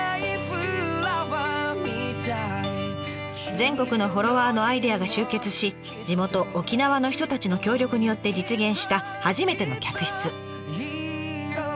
全国のフォロワーのアイデアが集結し地元沖縄の人たちの協力によって実現した初めての客室。